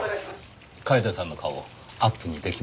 楓さんの顔アップに出来ますか？